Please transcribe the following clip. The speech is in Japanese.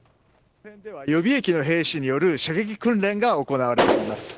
予備役の兵士による射撃訓練が行われています。